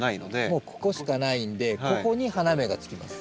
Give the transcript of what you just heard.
もうここしかないんでここに花芽がつきます。